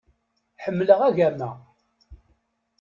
Ḥemmleɣ agama.